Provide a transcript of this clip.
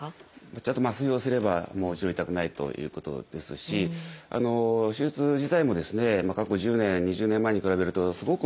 ちゃんと麻酔をすればもちろん痛くないということですし手術自体も過去１０年２０年前に比べるとすごく進歩しているので